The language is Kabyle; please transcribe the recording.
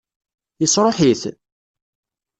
Yesṛuḥ-it?